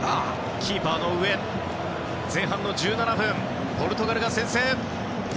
キーパーの上前半１７分、ポルトガルが先制！